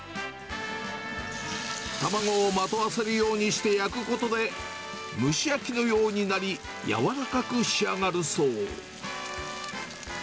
卵をまとわせるようにして焼くことで、蒸し焼きのようになり、柔らかく仕上がるそう。